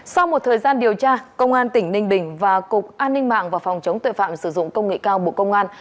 sau một thời gian điều tra công an tỉnh ninh bình và cục an ninh mạng và phòng chống tội phạm sử dụng công nghệ cao bộ công an